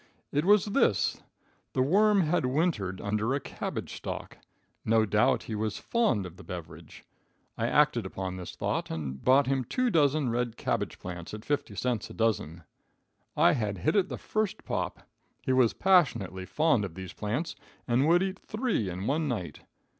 It was this: the worm had wintered under a cabbage stalk; no doubt he was fond of the beverage. I acted upon this thought and bought him two dozen red cabbage plants, at fifty cents a dozen. I had hit it the first pop. He was passionately fond of these plants, and would eat three in one night.